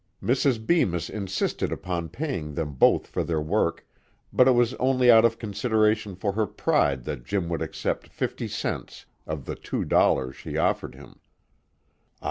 Mrs. Bemis insisted upon paying them both for their work, but it was only out of consideration for her pride that Jim would accept fifty cents of the two dollars she offered him.